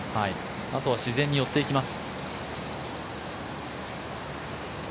あとは自然に寄っていきます。